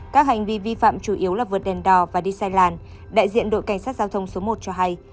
các hành vi vi phạm chủ yếu là vượt đèn đỏ và đi sai làn đại diện đội cảnh sát giao thông số một cho hay